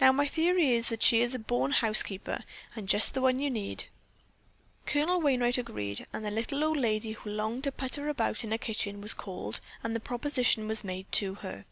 Now my theory is that she is a born housekeeper and just the one you need." Colonel Wainright agreed, and the little old lady who longed to putter about a kitchen was called and the proposition was made to her.